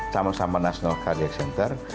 sama sama national karya center